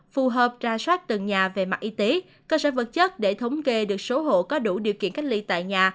phù hợp ra soát từng nhà về mặt y tế cơ sở vật chất để thống kê được số hộ có đủ điều kiện cách ly tại nhà